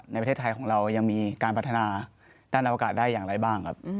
ในประเทศไทยของเรายังมีการพัฒนาด้านอวกาศได้อย่างไรบ้างครับ